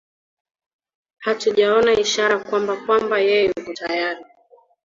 hatujaona ishara kwamba kwamba yeye yuko tayari